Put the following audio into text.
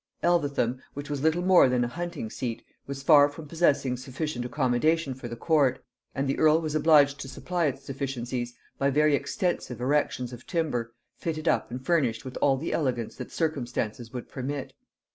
Elvetham, which was little more than a hunting seat, was far from possessing sufficient accommodation for the court, and the earl was obliged to supply its deficiencies by very extensive erections of timber, fitted up and furnished with all the elegance that circumstances would permit.